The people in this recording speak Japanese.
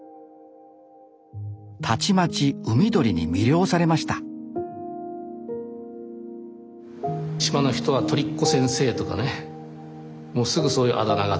たちまち海鳥に魅了されました島の人は鳥っこ先生とかねもうすぐそういうあだ名が付いてね